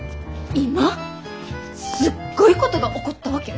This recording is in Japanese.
今すっごいことが起こったわけ！